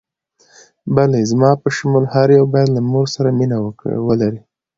بلې، زما په شمول هر یو باید له مور سره مینه ولري.